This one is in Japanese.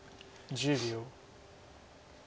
１０秒。